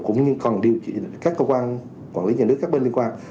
cũng như cần điều chỉnh các cơ quan quản lý nhà nước các bên liên quan